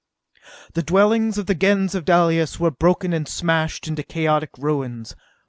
The dwellings of the Gens of Dalis were broken and smashed into chaotic ruins.